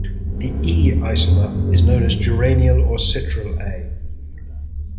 The "E"-isomer is known as geranial or citral A.